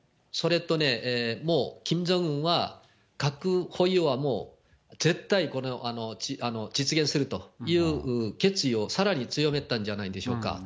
それとね、もうキム・ジョンウンは、核保有はもう絶対実現するという決意をさらに強めたんじゃないでしょうか。